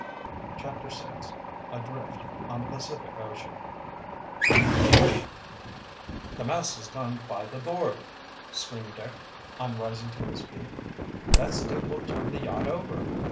CHAPTER VI ADRIFT ON THE PACIFIC OCEAN "The mast has gone by the board!" screamed Dick, on rising to his feet. "That stick will turn the yacht over!"